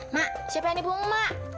mak siapa yang tipu emak